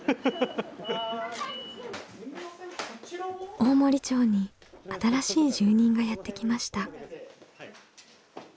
大森町に新しい住人がやって来ました。